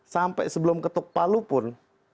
sampai sebelum ketuk palu pun